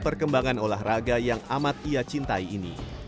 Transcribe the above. perkembangan olahraga yang amat ia cintai ini